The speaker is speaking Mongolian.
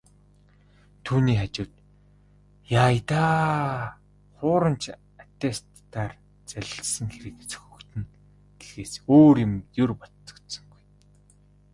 Түүний хажууд "яая даа, хуурамч аттестатаар залилсан хэрэг сөхөгдөнө" гэхээс өөр юм ер бодогдсонгүй.